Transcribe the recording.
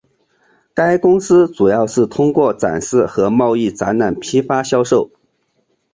该公司主要是通过展示和贸易展览批发销售。